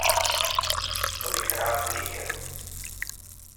To bych rád věděl.